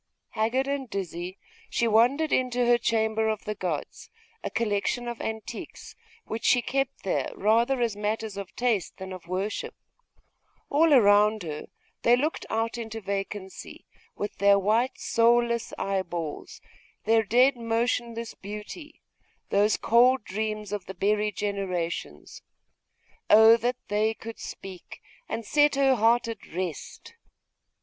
Haggard and dizzy, she wandered into her 'chamber of the gods'; a collection of antiquities, which she kept there rather as matters of taste than of worship. All around her they looked out into vacancy with their white soulless eyeballs, their dead motionless beauty, those cold dreams of the buried generations. Oh that they could speak, and set her heart at rest!